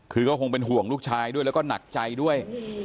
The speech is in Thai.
คือก็คงเป็นห่วงลูกชายด้วยแล้วก็หนักใจด้วย